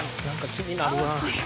気になる。